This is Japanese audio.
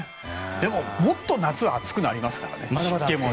でももっと夏暑くなりますからね。